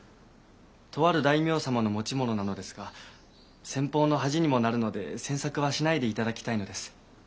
とある大名様の持ち物なのですが先方の恥にもなるので詮索はしないでいただきたいのです。